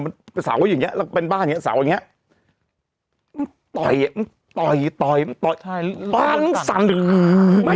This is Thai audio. มันสาวอย่างเงี้ยแล้วก็เป็นบ้านอย่างเงี้ยสาวอย่างเงี้ย